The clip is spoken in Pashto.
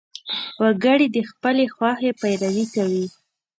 وګړي د خپلې خوښې پیروي کوي.